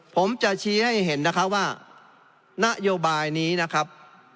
ผมจะชี้ให้เห็นนะคะว่านโยบายนี้นะครับ